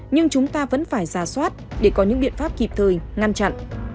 nhưng chúng ta vẫn phải ra soát để có những biện pháp kịp thời ngăn chặn